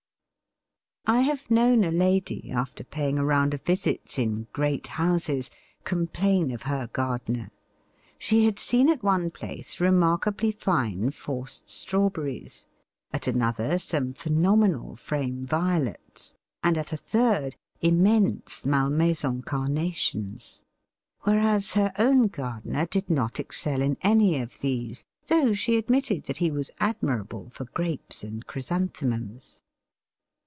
I have known a lady, after paying a round of visits in great houses, complain of her gardener. She had seen at one place remarkably fine forced strawberries, at another some phenomenal frame Violets, and at a third immense Malmaison Carnations; whereas her own gardener did not excel in any of these, though she admitted that he was admirable for Grapes and Chrysanthemums.